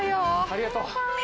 ありがとう。